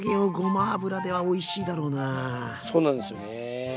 そうなんですよね。